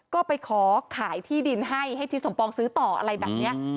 ก็ไปขอขายที่ดินให้ให้ทิศสมปองซื้อต่ออะไรแบบนี้